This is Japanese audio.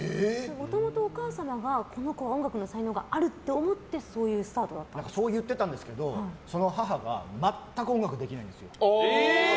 もともとお母様が、この子は音楽の才能があると思ってそう言ってたんですけどその母が全く音楽できないんですよ。